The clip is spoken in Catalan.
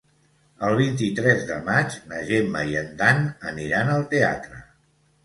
El vint-i-tres de maig na Gemma i en Dan aniran al teatre.